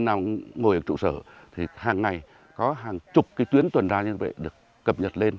nào ngồi ở trụ sở thì hàng ngày có hàng chục cái tuyến tuần tra như vậy được cập nhật lên